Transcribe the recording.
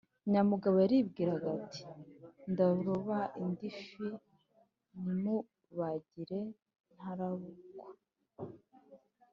Nyamugabo yaribwiraga ati: “Ndaroba indi fi nyimubagire ntarabukwa.”